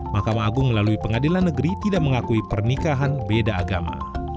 mahkamah agung melalui pengadilan negeri tidak mengakui pernikahan beda agama